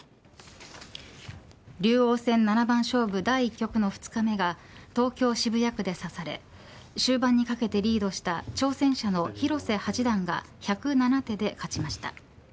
竜王戦七番勝負第１局の２日目が東京、渋谷区でさされ終盤にかけてリードした挑戦者の広瀬八段が１０７手で勝ちました。